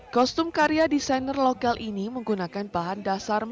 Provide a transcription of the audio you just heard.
kostum karya desainer lokal ini menggunakan bahan dasar makanan